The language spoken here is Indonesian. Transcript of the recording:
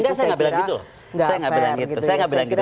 itu saya kira gak fair